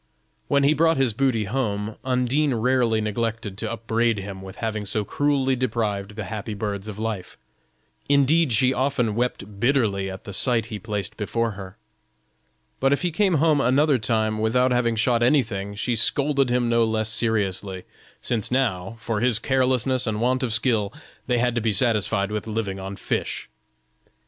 When he brought his booty home, Undine rarely neglected to upbraid him with having so cruelly deprived the happy birds of life; indeed she often wept bitterly at the sight he placed before her. But if he came home another time without having shot anything she scolded him no less seriously, since now, from his carelessness and want of skill, they had to be satisfied with living on fish.